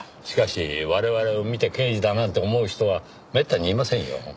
しかし我々を見て刑事だなんて思う人はめったにいませんよ。